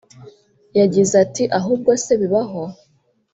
yagize ati “Ahubwo se bibaho